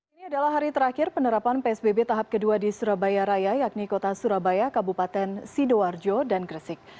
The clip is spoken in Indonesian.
ini adalah hari terakhir penerapan psbb tahap kedua di surabaya raya yakni kota surabaya kabupaten sidoarjo dan gresik